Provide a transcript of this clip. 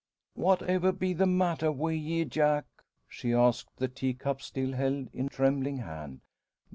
"Whatever be the matter wi' ye, Jack?" she asks, the teacup still held in trembling hand.